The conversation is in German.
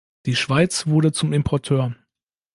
Die Schweiz wurde zum Importeur.